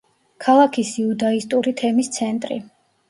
ქალაქის იუდაისტური თემის ცენტრი.